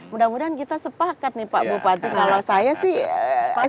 mudah mudahan kita sepakat nih pak bupati kalau saya sih sepakat